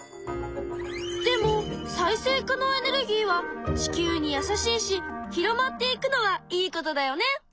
でも再生可能エネルギーは地球に優しいし広まっていくのはいいことだよね。